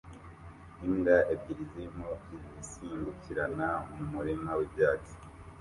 Imbwa ebyiri zirimo zisimbukirana mu murima wibyatsi